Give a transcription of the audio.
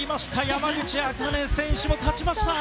山口茜選手も勝ちました！